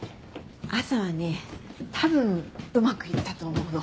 朝はねたぶんうまくいったと思うの。